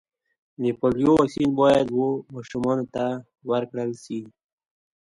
د پولیو واکسین باید و ماشومانو ته ورکړل سي.